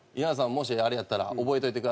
もしあれやったら覚えといてくださいっつって。